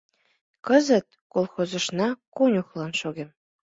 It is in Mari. Кызыт колхозыштына конюхлан шогем.